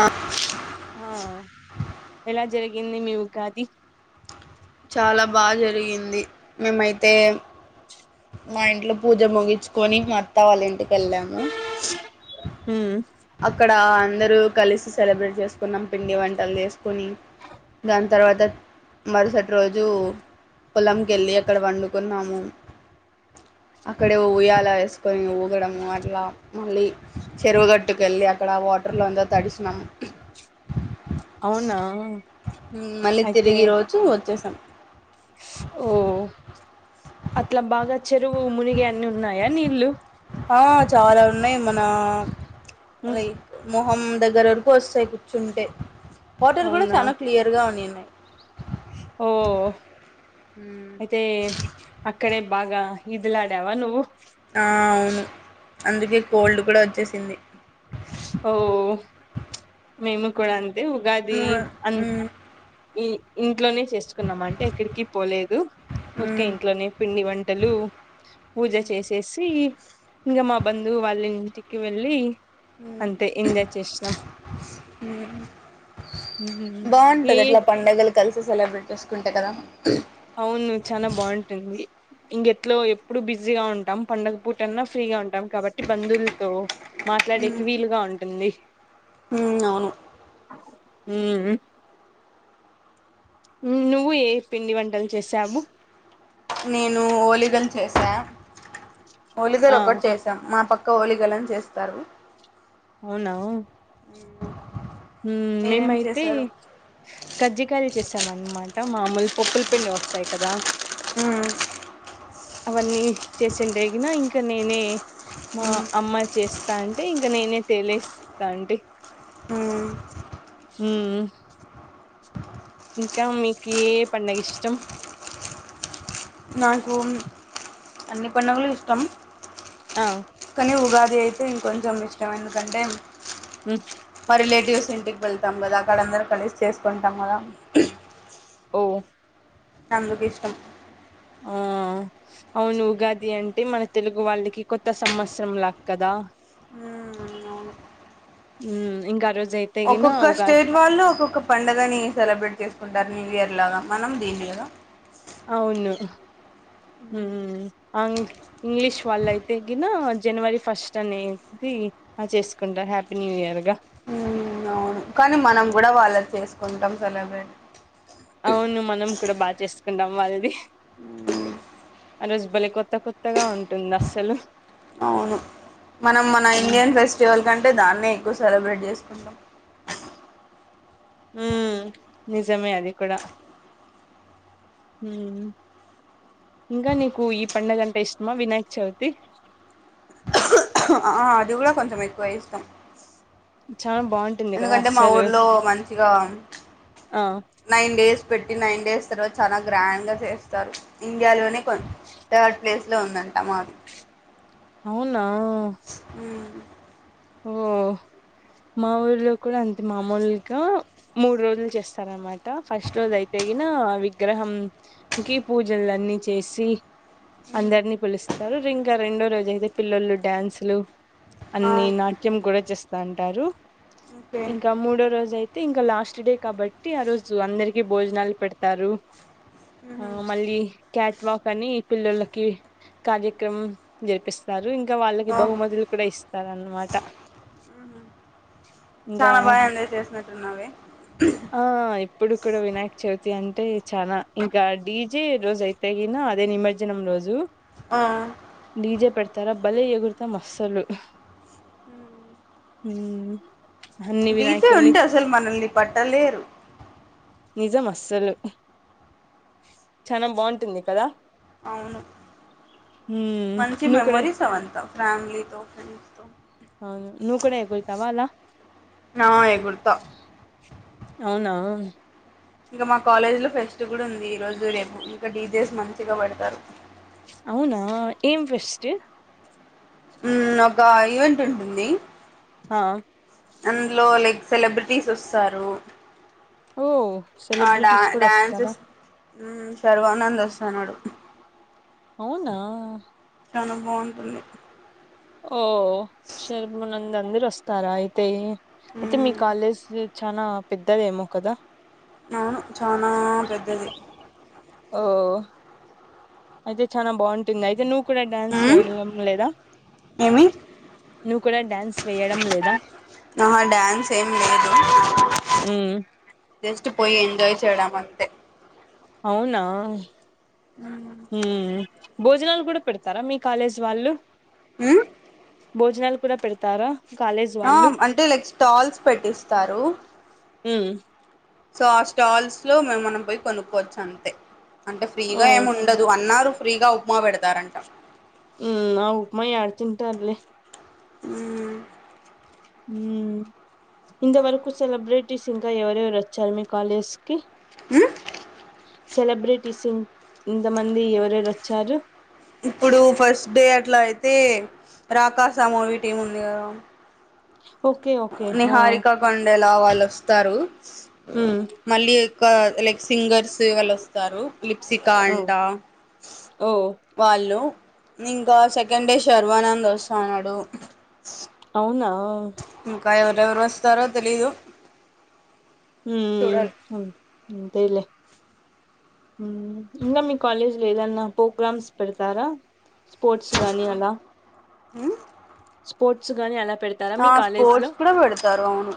ఆ ఆ ఎలా జ్ జరిగింది మీ ఉగాది చాల బా జరిగింది మేమైతే మా ఇంట్లో పూజ ముగిచ్చుకొని మా అత్తవాళ్లింటి వెళ్ళాము ఉమ్ అక్కడ అందరూ కలిసి సెలబ్రేట్ చేసుకున్నాం పిండి వంటలు చేసుకొని, దాని తర్వాత మరుసటి రోజు పొలంకి వెళ్ళి అక్కడ వండుకున్నాము అక్కడే ఉయ్యాల ఏసుకొని ఊగడము అట్లా, మళ్ళీ చెరువుగట్టు అట్టుకెళ్ళి అక్కడ వాటర్లో అందరు తడిసినం. అవునా మళ్ళీ అయితే తిరిగి రోజు వచ్చేసాం ఓ అట్లా బాగా చెరువు మునిగి అన్ని ఉన్నాయా నీళ్ళు ఆ చాలా ఉన్నాయి మన ఉమ్ లైక్ మొహం దగ్గర వరకు వస్తాయి కూర్చుంటే వాటర్ కూడా అవునా చాలా క్లియర్ గా ఉన్నాయను అ ఓ అయితే అక్కడే బాగా ఈదులాడావ నువ్వు ఆవు ను అందుకే కోల్డ్ కూడా వచ్చేసి తిన్ని ఓ మేము కూడా అం అదే ఉగాది ఉమ్ అం ఉమ్ ఈ ఇంట్లోనే చేసుకున్నామ అంటే ఎక్కడికి పోలేదు ఊరికే ఉమ్ ఇంట్లోనే పిండి వంటలు పూజ చేసేసి ఇంగ మా బంధువు వాళ్ళంటికి వెళ్ళి అంతే ఎంజాయ్ చేసినాం ఏ బాగుంటది అట్లా పండగలు కలిసి సెలబ్రేట్ చేసుకుంటే కదా అవును చానా బావుంటుంది ఇంకెట్లో ఎప్పుడూ బిజీగా ఉంటాం పండగ పూట అన్నా ఫ్రీగా ఉం కాబట్టి బంధువులతో మాట్లాడేకి వీలుగా ఉంటుంది. హ్మ్ అవును హ్మ్ నువ్వు ఏ పిండి వంటల్ నేను ఓలీగల్ చేసా ఒలిగలు ఆ ఒకటి చేసాం మా పక్క ఇక ఓలిగలను చేస్తారు అవునా హ్మ్ మీరేం మేమైతే చేశారు కజ్జకాయలు చేసాం అన్నమాట మామూలు పప్పుల్ పిండి వస్తాయి కదా హ్మ్ అవన్నీ చేసం దేగిన ఇంకా క్కనేనే మా ఉమ్ అమ్మ చేస్తాం ద్ అంటే ఇంక నేనే తెలస్తా అండి మ్ మ్.. ఇంకా మీకు ఏ పండగ ఇష్టం నాకు అన్ని పడుగలు ఇష్టం ఆమ్ కానీ ఉగాది అయితే ఇం కొంచెం ఇష్టం ఎందుకంటే ఉమ్, మా రిలేటివ్స్ ఇంటికి వెళ్తాం కదా అక్కడ అందరం కలిసి చేసుకుంటాం కదా ఓ అందుకి ఇష్టం ఆ అవును ఉగాది అంటే మన తెలుగు వాళ్ళకి కొత్త సంవత్సరం లాక్ కదా మ్మ్, అవును ఉమ్ ఇంక ఆ రోజ్ ఒక్కొక్క స్టేట్ వాళ్ళు ఒక్కొక్క పండుగని సెలబ్రెట్ చేసుకుంటారు న్యూ ఇయర్ లాగా మనం దీన్నీ గదా అవును మ్.. అండ్ ఇంగ్లీష్ వాళ్ళు అయితే కిన జనవరి ఫస్ట్ అనేది చేసుకుంటారు హ్యాపీ న్యూ ఇయర్గా మ్మ్, కానీ మనం కూడా వాళ్ళది చేసుకుంటాం సెలబ్రేట్ అవును మనం కూడా బాగా చేసుకుంటాం వాల్ది ఆరోజు బలె కొత్త కొత్తగా ఉంటుంది అస్సలు అవును మనం మన ఉమ్ ఇండియన్ ఫెస్టివల్ కంటే దాన్నే ఎక్కువ సెలబ్రేట్ చేసుకుంటాం ఉమ్.. నిజమే అది కూడా మ్.. ఇంకా నీకు ఈ పండగంటే ఇష్టమా వినాయక చవితి అది కూడా కొంచెం ఎక్కువ ఇష్టం చాలా బాగుంటుంది కదా ఎందుకంటే మా అస్సలు ఊర్లో మంచిగా ఆ నైన్ డేస్ పెట్టి నైన్ డేస్ తర్వాత చాలా గ్రాండ్ గా చేస్తారు ఇండియా లోనే కొ థర్డ్ ప్లేస్ లో ఉంద [unintelligible] అవును నా ఉమ్ ఓ మా ఊర్లో కూడా అంతే మామూల్గా మూడు రోజులు చేస్తారనమాట ఫస్ట్ రోజు అయితేయిన విగ్రహం కి పూజలు అన్నీ చేసి అందరిని పిలుస్ చెతారు ఇంకా రెండో రోజు అయితే పిల్లలు డాన్సులు ఆ అన్ని నాటి చేస్తాంటారు ఓకే ఇంకా మూడో రోజు ఐ యితే ఇంకా లాస్ట్ డే కాబట్టి ఆ రోజు అందరికి భోజనాలు పెడతారు ఆ ఉహు మళ్ళీ క్యా లాకని పిల్లలకి కార్యక్రమం జరిపిస్తారు ఇం కా వాళ్ళకి ఓహో బహుమతులు కూడా ఇస్తారు అన్నమాట్ ఉహు ఇంగా చాలా బాగా ఎంజాయ్ చేసినట్టున్నావే ఆ ఇప్పుడిపుడు వినాయక చవితి అం టే చానా ఇంకా డీజే రోజు అయితే గిన అదే నిమజ్జనం రోజు ఆ డిజే పెడతారా బల ఎగుర్తా మస్సలు ఊ ఊ బీతో ఉంటే అసలు మనల్ని పట్టలేరు నిజం అస్సలు చనా బాగుంటుంది కదా అవును మ్మ్ మంచి నువ్వు కూడా మెమోరీస్ అవంతా ఫ్యామిలీతో ఫ్రెండ్స్తో అవును నువ్ కూడా ఎగురుతావా అలా ఆ ఎగురుతా అవునా ఇంకా మా కాలేజ్ లో ఫెస్ట్ కూడా ఉ ఈ రోజు రేపు ఇంకా డీజేస్ మంచిగా వెడ్ తరు అవునా ఏం ఫెష్ టు ఊమ్ ఒక ఈవెంట్ ఉంటుంది ఆ అందులో లైక్ సెలబ్రిటీస్ ఒస్తారు ఓ సెలబ్రిటీస్ కూడా ఒస్తారా ఊమ్ శర్వానంద్ ఒస్తానాడు అవునా చానా బాగుంటుంది ఓ శర్మనంద్ ఇలాందరు ఒస్తారా అయితే ఐయితే మీ మ్మ్ కాలజూ చనా పెద్దదేమో కదా అవును చానా పెద్దది ఓ అయితే చనా బాగుంటుంది అయితే నువ్ ను కూడా డాన్స్ మ్మ్ వేడం లేదా ఏమి నువ్వు కూడా డాన్స్ వేయడం లేదా ఆహా డ్యాన్స్ ఏం లేదు ఊ జస్ట్ పోయి ఎంజాయ్ చేయడా అంతే అవునా ఉమ్ భోజనాలు కూడా పెడతారా మీ కాలేజ్ వాళ్ళు హ భోజనాలు కూడా పెడతారా కాలేజ్ ఆ వాళ్ళు అంటే లైక్ స్టాల్స్ పెట్టిస్తారు హమ్ సో ఆ స్టాల్స్ లో మేము మనం పోయి కొనుక్కోవచ్చు అంతే అంటే ఓ ఫ్రీగా ఏమి ఉండదు అన్నారు ఫ్రీగా ఉప్మా పెడతారంట ఉమ్ ఆ ఉప్మా యాడ తింటారులే హమ్ హ ఇంత వరకు సెలబ్రెట్ స్ ఇంకా ఎవరెవరు వచ్చారు మీ కాలేజ్ కి మ్ సెలబ్రిటీస్ ఇ ఇంతమంది ఎవరెవరు వచ్చారు ఇప్పుడు ఫస్ట్ డే అట్లా అయితే రాకాస మూవీ టీం ఉంది కదా ఓకే ఓకే ఆ నిహారిక కొండెలా వాళ్ వస్తారు ఉమ్ మళ్ళీ యొక్క లైక్ సింగర్స్ వాళ్ళు వస్తారు లిప్సికా ఆ అంట ఓ వాళ్ళు ఇంకా సెకండ్ డే శర్వానంద్ వస్తాన్నాడు అవునా ఆ ఇంకా ఎవరెవరు వస్తారో తెలీదు చూడాలి మ్ ఎలి మ్ ఇంకా మీ కాలేజీలో ఏదన్నా ప్రోగ్రామ్స్ పెడతారా స్పోర్ట్స్ కానీ అలా మ్ స్పోర్ట్స్ గానీ అలా పెడతారా ఆ మీ కాలేజ్ లో స్పోర్ట్స్ కూడా పెడతారు అవును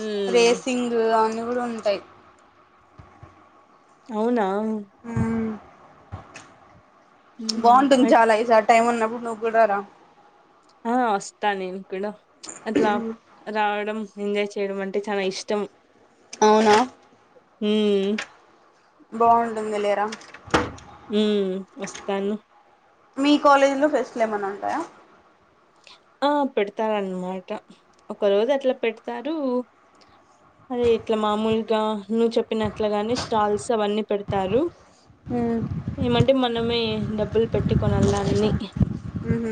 ఉమ్ రేసింగ్ అ కూడ ఉంటాయ్ అవునా హ్మ్ ఉమ్ బాగుంటుంది అయి- చాల ఈసారి టైం ఉన్నప్పుడు నువ్ గుడ రా ఆ వస్తా నేను కూడా అట్లా రావడం ఎంజాయ్ చేయడం అంటే చాలా ఇష్టం. చ్ అవునా ఊ బాగుంటుంది లేరా ఉమ్ వస్తాను మీ కాలేజ్ లో ఫెస్ట్ లేమన టాయ ఆ పెడతారన్నమాట ఒక రోజు అట్లా పెడతారు. అదే ఇట్లా మామూలుగా నువ్వు చెప్పినట్లుగానే స్టాల్స్ అవన్నీ పెడతారు. ఊహు ఏమంటే మనమే డబ్బులు పెట్టి కొనాల్ల అన్నీ ఊ హు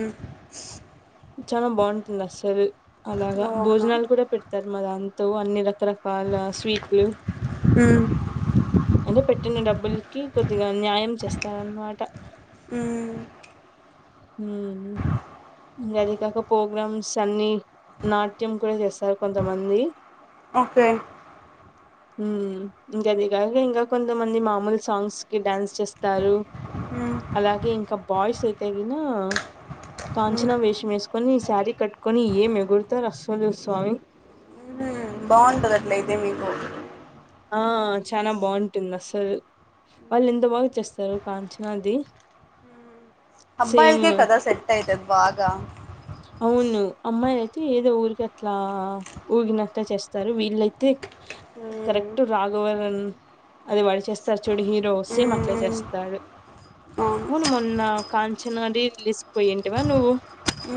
చాలా బాగుంటుంది అస్సలు అలాగా నువ్వు అవునా భోజనాలు కూడా పెడతారు మా దా తో అన్ని రకల పాల స్వీట్లు అంటే పెట్టిన డబ్బు బల్కి కొద్దిగా న్యాయం చేస్తారన్నమాట. ఉమ్ ఊ హ ఇంకా అది కాక ప్రోగ్రామ్స్ అన్ని నాట్యం కూడా చేస్తారు కొంతమంది. ఓకే ఊ ఇంకా అది కాక ఇంకా కొంతమంది మామూలు సాంగ్స్ కి డ్యాన్స్ చేస్తారు. మ్మ్ అలాగే ఇంకా బాయ్స్ అయితేగిన కా మ్మ్ నచ్చిన వేషం వేసుకొని శారీ కట్కొని ఏం ఎగురుతారు. అస్సులు స్వామి బాగుంటుందిట్లయితే మీకు ఆ చాలా బాగుంటుంది అస్సలు వాళ్ళు ఎంత బాగా చేస్తారు కాంచనాది. సేమ్ అబ్బాయిలకే కదా సెట్ అయితది బా గా అవును అమ్మాయి ఏదో ఊరికి అట్లా ఊగినట్లా చేస్తారు. వీళ్ళయితే మ్మ్ కరెక్ట్ రాఘవరన్ అది వాడి చేస్తారు. చూడు హీరో సేం అట్లా చేస్తాడు అవును మొన్న కాంచనా రీ రిలీజ్ పోయేంటివా నువ్వు.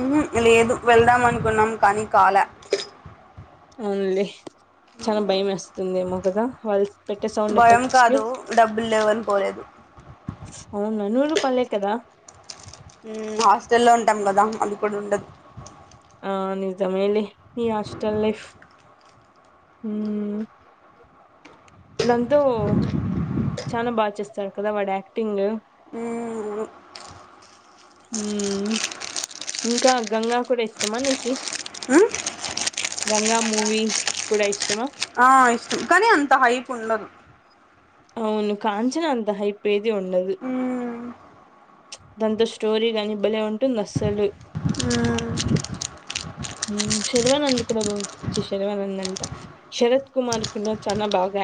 ఊహు లేదు వెళ్దాం అనుకున్నాం కానీ కాలె అవునులే చాల భయం వేస్తుందిమో కదా వాళ్ళ భయం కాదు డబ్బులు లేవని పోలేదు. అవును నూరు రూపాయలే కదా. ఊ హాస్టల్ల్లో ఉంటాం కదా అది కూడా ఉండదు. ఆ నిజమేలే ఈ హస్టల్ లైఫ్ ఊ నందు చనా బాగా చేస్తారు కదా వాడు యాక్టింగ్. మ్మ్ ఊ ఇంకా గంగా కూడా ఇష్టమా నీకి మ్మ్ గంగా మూవీ కూడా ఇస్ ఆ ఇష్టం కానీ అంత హైపు ఉండదు. అవును కాంచన అంత హై పేది ఉండదు. మ్మ్ చ్ దాంతో స్టోరీ గాని భలే ఉంటుంది. అస్సలు ఊ శర్వానంద్ కూడా శర్వానంద్ అంటా శరత్ కుమార్ కూడా చాలా బాగా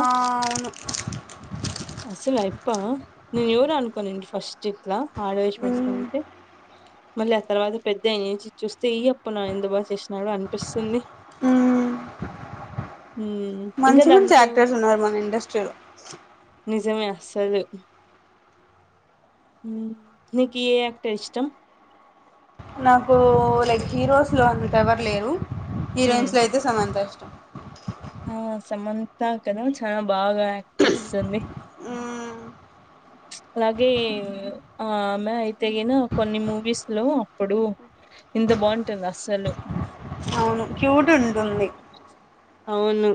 ఆవును అసలు అయిప్ప నేను ఎవరో అనుకోనింటి ఫస్ట్ చెట్లా ఆడ వేషా మేసుకుంటే మళ్ళీ ఆ తర్వాత పెద్ద అయినంచి చూస్తే ఈ అప్పనా ఇంత బా చేసినాడు అనిపిస్తుంది. మ్మ్ మ్మ్ ఇంకా మంచి మంచి దాంతో యాక్టర్స్ ఉన్నారు మన ఇండస్ట్రీలో నిజమే అసలు ఉ నికి ఏ యాక్టర్ ఇష్టం నాకు లైక్ హీరోస్ లో అంత ఎవర్ లేరు మ్మ్ హీరోయిన్స్ లో అయితే సమంత ఇష్టం ఆ సమంత కదా చాలా బాగా యాక్ట్ చేస్తుంది మ్మ్ అలాగే ఆమె అయితే గిన కొన్ని మూవీస్ లో అప్పుడు ఇంత బాగుంటుంది అసలు క్యూట్ ఉంటుంది అవును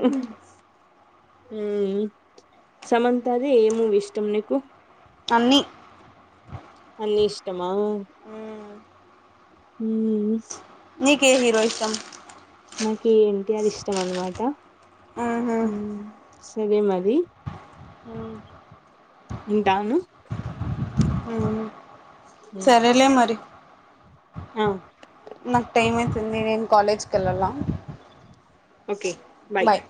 ఉ సమంతది ఏ మూవీ ఇష్టం నీకు అన్ని అన్నీ ఇష్టమా మ్మ్ ఉ నీకే హీరో ఇష్టం నాకి ఎన్టీఆర్ ఇష్టం అన్నమాట మ్మ్ మ్మ్ సరే మరి ఉంటాను ఉ సరేలే మరి ఆ నాకు టైమ్ అయితుంది నేను కాలేజీ కి వెళ్లాలా ఓకే బాయ్